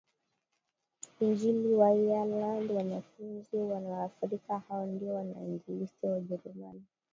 Injili Waireland wanafunzi wa Waafrika hao ndio wainjilisti wa Ujerumani